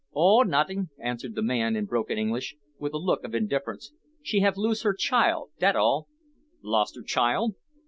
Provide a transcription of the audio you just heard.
"Oh, notting," answered the man in broken English, with a look of indifference, "she have lose her chile, dat all." "Lost her child?